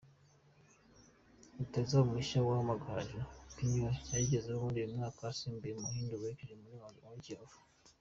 Rutahizamu mushya wa Amagaju, Pignol yayigezemo muri uyu mwaka asimbuye Muhindo werekeje muri Kiyovu.